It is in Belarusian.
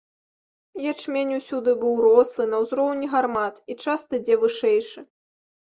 Ячмень усюды быў рослы, на ўзроўні гармат і часта дзе вышэйшы.